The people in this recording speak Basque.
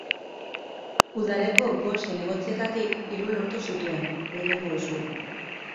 Udaleko bost zinegotzietatik hiru lortu zituen, gehiengo osoa.